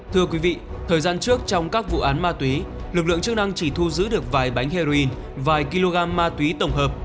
thưa quý vị thời gian trước trong các vụ án ma túy lực lượng chức năng chỉ thu giữ được vài bánh heroin vài kg ma túy tổng hợp